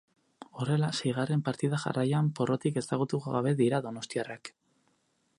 Horrela, seigarren partida jarraian porrotik ezagutu gabe dira donostiarrak.